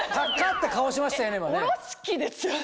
て顔しましたよね